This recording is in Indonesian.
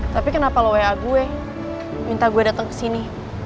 tapi kenapa lo wa gue minta gue dateng kesini